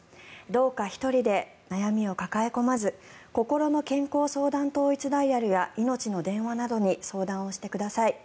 どうか１人で悩みを抱え込まずこころの健康相談統一ダイヤルやいのちの電話などに相談をしてください。